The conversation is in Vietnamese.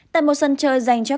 tại một sân chơi dành cho